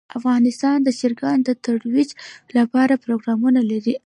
افغانستان د چرګان د ترویج لپاره پروګرامونه لري.